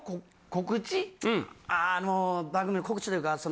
ああの番組の告知というか。